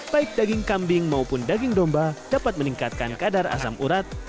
baik daging kambing maupun daging domba dapat meningkatkan kadar asam urat